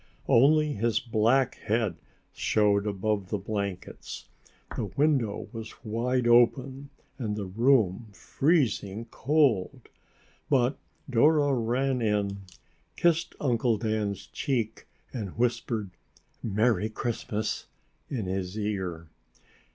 Only his black head showed above the blankets. The window was wide open and the room freezing cold, but Dora ran in, kissed Uncle Dan's cheek and whispered "Merry Christmas!" in his ear.